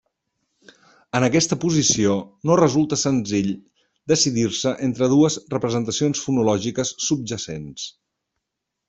En aquesta posició no resulta senzill decidir-se entre dues representacions fonològiques subjacents.